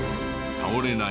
倒れてない！